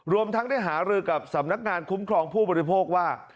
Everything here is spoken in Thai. รวมทั้งได้หารือกับสำนักงานคุ้มครองผู้บริโภคว่า